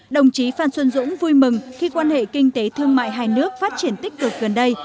đồng chí phan xuân dũng vui mừng khi quan hệ kinh tế thương mại hai nước phát triển tích cực gần đây